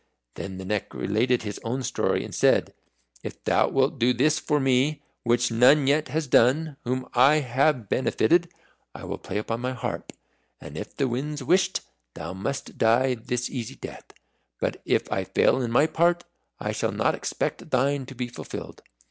Then the Neck related his own story, and said, "If thou wilt do this for me, which none yet has done whom I have benefited, I will play upon my harp, and if the winds wisht, thou must die this easy death; but if I fail in my part, I shall not expect thine to be fulfilled.